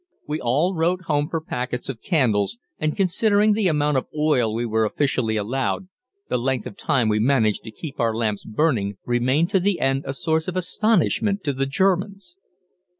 We all wrote home for packets of candles, and considering the amount of oil we were officially allowed, the length of time we managed to keep our lamps burning remained to the end a source of astonishment to the Germans.